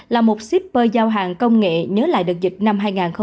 là một shipper giao hàng công nghệ nhớ lại đợt dịch năm hai nghìn hai mươi